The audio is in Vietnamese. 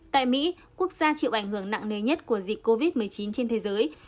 tại mỹ quốc gia chịu ảnh hưởng nặng nề nhất của dịch covid một mươi chín trên thế giới